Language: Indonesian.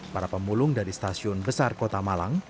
para pemulung dari stasiun besar kota malang